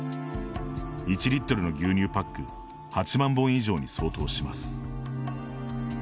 １リットルの牛乳パック８万本以上に相当します。